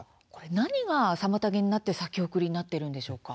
何が妨げになって先送りになっているんでしょうか。